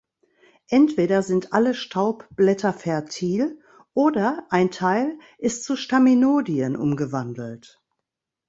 Entweder sind alle Staubblätter fertil oder ein Teil ist zu Staminodien umgewandelt.